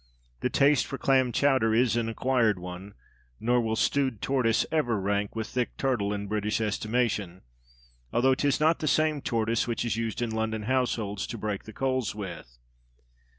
The taste for Clam Chowder is an acquired one, nor will stewed tortoise ever rank with thick turtle in British estimation, although 'tis not the same tortoise which is used in London households to break the coals with.